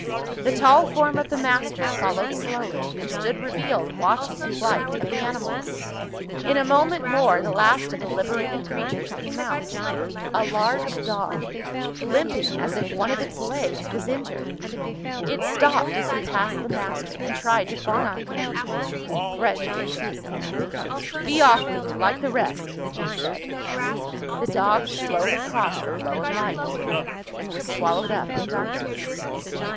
The tall form of the master followed slowly, and stood revealed watching the flight of the animals. In a moment more, the last of the liberated creatures came out a large dog, limping as if one of its legs was injured. It stopped as it passed the master, and tried to fawn on him. He threatened it with his hand. "Be off with you, like the rest!" he said. The dog slowly crossed the flow of light, and was swallowed up in darkness.